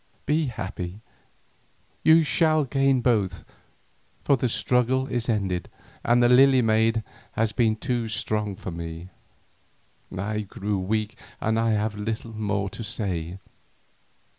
Be happy, you shall gain both, for the struggle is ended and the Lily maid has been too strong for me. I grow weak and I have little more to say.